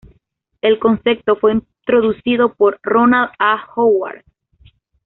El concepto fue introducido por Ronald A. Howard.